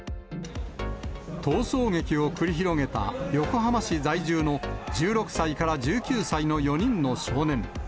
逃走劇を繰り広げた横浜市在住の１６歳から１９歳の４人の少年。